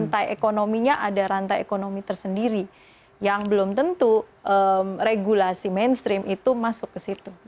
jadi ada rantai ekonomi tersendiri yang belum tentu regulasi mainstream itu masuk ke situ